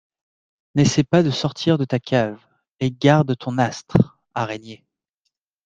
N’essaie pas de sortir de ta cave, et garde ton astre, araignée!